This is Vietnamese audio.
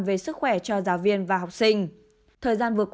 về sức khỏe cho giáo viên và học sinh